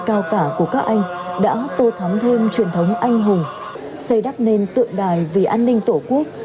cao cả của các anh đã tô thắm thêm truyền thống anh hùng xây đắp nền tượng đài vì an ninh tổ quốc